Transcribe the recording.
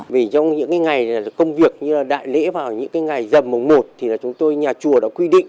trong những ngày công việc như đại lễ vào những ngày dầm mồng một thì nhà chùa đã quy định